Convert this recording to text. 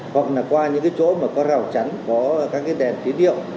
hoặc là qua những cái chỗ mà có rào chắn có các cái đèn tí điệu